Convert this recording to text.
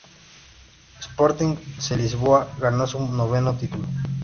Sporting de Lisboa ganó su noveno título.